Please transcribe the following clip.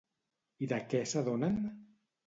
I de què s'adonen?